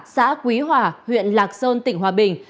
xã quý hòa huyện lạc sơn tỉnh hòa bình